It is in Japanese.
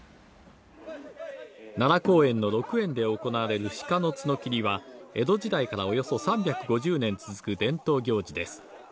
奈良公園の鹿苑で行われる鹿の角きりは、江戸時代からおよそ３５０年続く伝統行事です。